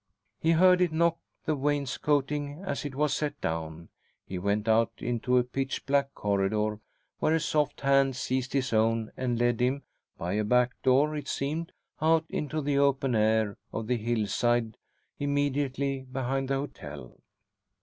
He heard it knock the wainscoting as it was set down. He went out into a pitch black corridor, where a soft hand seized his own and led him by a back door, it seemed out into the open air of the hill side immediately behind the hotel.